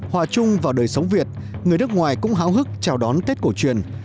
hòa chung vào đời sống việt người nước ngoài cũng háo hức chào đón tết cổ truyền